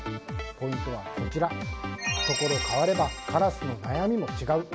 ポイントはこちら所変わればカラスの悩みも違う。